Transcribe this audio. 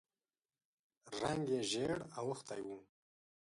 رنګ یې ژېړ اوښتی و.